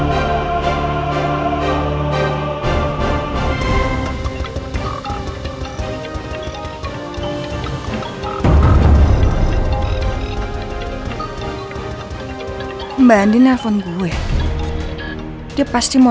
kenapa aku diperlakukan seperti ini